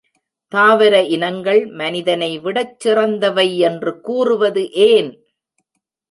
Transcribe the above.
தாவர இனங்கள் மனிதனை விடச் சிறந்தவை என்று கூறுவது ஏன்?